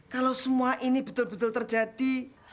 kalau semua ini betul betul terjadi